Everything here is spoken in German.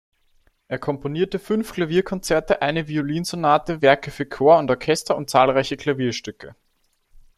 Er komponierte fünf Klavierkonzerte, eine Violinsonate, Werke für Chor und Orchester und zahlreiche Klavierstücke.